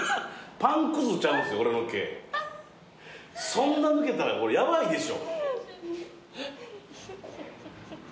そんな抜けたら俺ヤバいでしょ。